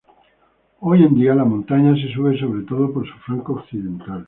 Hoy en día la montaña se sube sobre todo por su flanco occidental.